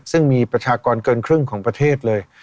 ซึ่งมีประชากรเกินครึ่งของประเทศเลย